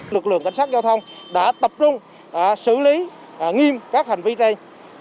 lực lượng cảnh sát giao thông đã tập trung xử lý nghiêm các hành vi đây